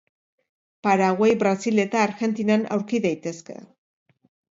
Paraguai, Brasil eta Argentinan aurki daitezke.